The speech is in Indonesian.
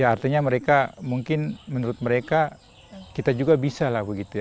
artinya mereka mungkin menurut mereka kita juga bisa lah begitu ya